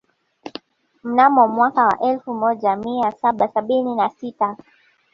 Mnamo mwaka wa elfu moja mia saba sabini na sita